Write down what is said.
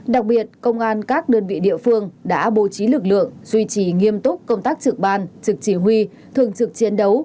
đặc biệt công an các đơn vị địa phương đã bố trí lực lượng duy trì nghiêm túc công tác trực ban trực chỉ huy thường trực chiến đấu